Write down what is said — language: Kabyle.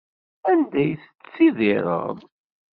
Anda tettttidiṛeḍ?